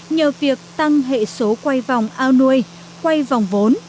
nhờ việc tăng hệ số quay vòng ao nuôi quay vòng vốn